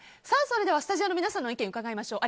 スタジオの皆さんの意見伺いましょう。